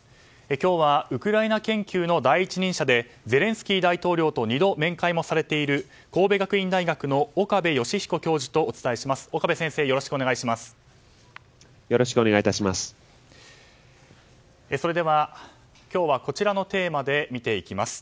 今日はウクライナ研究の第一人者でゼレンスキー大統領と２度面会もされている神戸学院大学の岡部芳彦教授とお伝えします。